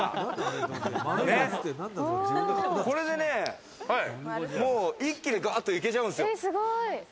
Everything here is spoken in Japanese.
これでね、もう一気にガっていけちゃうんですよ。